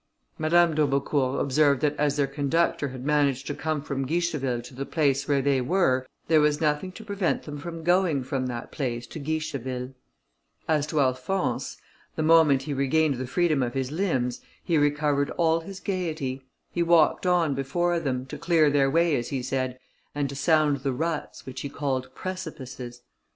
Madame d'Aubecourt observed that as their conductor had managed to come from Guicheville to the place where they were, there was nothing to prevent them from going from that place to Guicheville. As to Alphonse, the moment he regained the freedom of his limbs, he recovered all his gaiety. He walked on before them, to clear their way as he said, and to sound the ruts, which he called precipices.